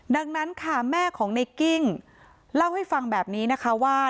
ดังนั้นค่ะแม่ของในกิ้งเล่าให้ฟังแบบนี้นะคะว่า